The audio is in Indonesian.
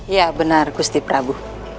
ya benar gusti prabu